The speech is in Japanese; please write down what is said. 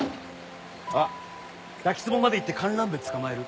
あっ滝つぼまで行ってカンランベ捕まえる？